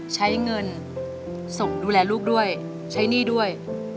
ใช้เงินส่งดูแลลูกด้วยใช้หนี้ด้วย